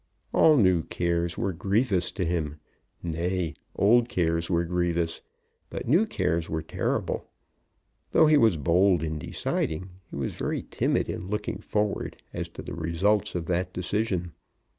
All new cares were grievous to him. Nay; old cares were grievous, but new cares were terrible. Though he was bold in deciding, he was very timid in looking forward as to the results of that decision.